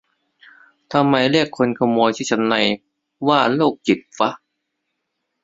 ทำไมเรียกคนขโมยชุดชั้นในว่า "โรคจิต" ฟะ